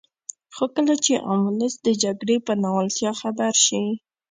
خو کله چې عام ولس د جګړې په ناولتیا خبر شي.